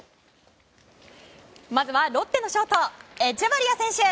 まずはロッテのショートエチェバリア選手。